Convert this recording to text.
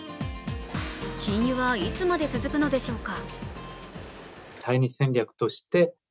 禁輸はいつまで続くのでしょうか。